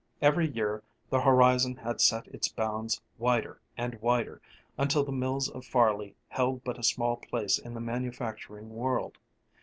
Every year the horizon had set its bounds wider and wider, until the mills of Farley held but a small place in the manufacturing world.